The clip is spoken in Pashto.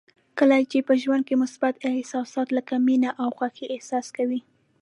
کله چې په ژوند کې مثبت احساسات لکه مینه او خوښي احساس کوئ.